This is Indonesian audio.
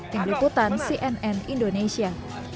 yang diliputan cnn indonesia